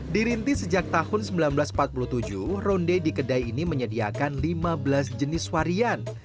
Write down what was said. dirintis sejak tahun seribu sembilan ratus empat puluh tujuh ronde di kedai ini menyediakan lima belas jenis varian